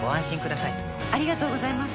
ありがとうございます。